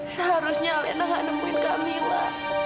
seharusnya alena gak nemuin kamila